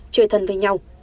chơi thân với nhau